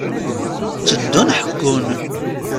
Tteddun ḥekkun.